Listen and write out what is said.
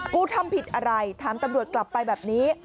กูทำผิดอะไรถามตำรวจกลับไปแบบนี้